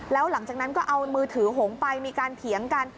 แล้วหลังจากนั้นก็เอามือถือหงไปมีการเถียงกัน